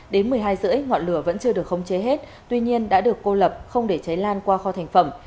đến một mươi hai h ba mươi ngọn lửa vẫn chưa được khống chế hết tuy nhiên đã được cô lập không để cháy lan qua kho thành phẩm